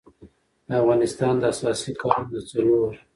د افغانستان د اساسي قـانون د څلور